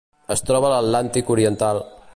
Es troba a l'Atlàntic oriental: